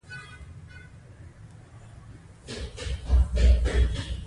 د پارتینون تعمیر د یونانیانو د عبادت ځای و.